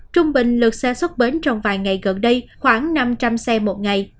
trung bình lượt xe xuất bến trong vài ngày gần đây khoảng năm trăm linh xe một ngày